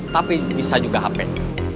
tapi bisa juga hapet